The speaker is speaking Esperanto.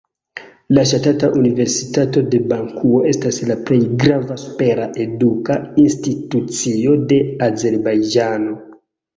La Ŝtata Universitato de Bakuo estas la plej grava supera eduka institucio de Azerbajĝano.